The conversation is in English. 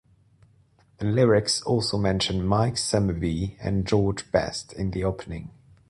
The lyrics also mention Mike Summerbee and George Best in the opening.